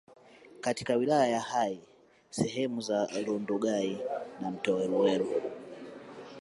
katika wilaya ya Hai sehemu za Rundugai na mto Weruweru